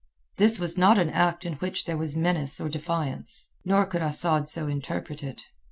This was not an act in which there was menace or defiance, nor could Asad so interpret it.